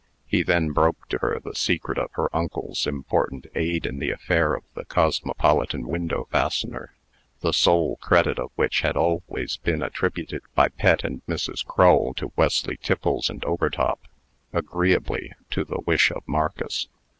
He then broke to her the secret of her uncle's important aid in the affair of the "Cosmopolitan Window Fastener" the sole credit of which had always been attributed by Pet and Mrs. Crull to Wesley Tiffles and Overtop, agreeably to the wish of Marcus.